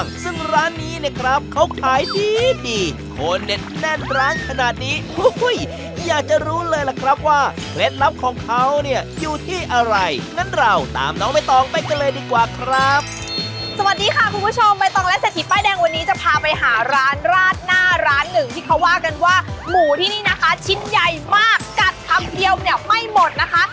หมูที่นี่นะคะชิ้นใหญ่มากกัดคำเดียวเนี่ยไม่หมดนะคะ